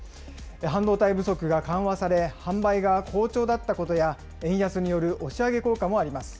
半導体不足が緩和され、販売が好調だったことや、円安による押し上げ効果もあります。